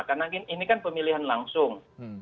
karena ini kan pemilihan langsung